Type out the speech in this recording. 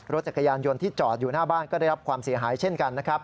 รถจักรยานยนต์ที่จอดอยู่หน้าบ้านก็ได้รับความเสียหายเช่นกันนะครับ